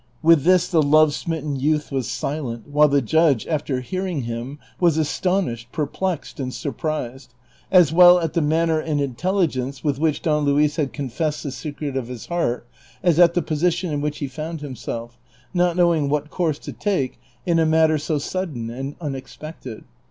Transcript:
With this the love smitten youth was silent, while the judge, after hearing him, was astonished, perplexed, and surprised, as well at the manner and intelligence with which Don Luis had confessed the secret of his heart, as at the position in which he found himself, not knowing what course to take in a matter so sudden and unexpected.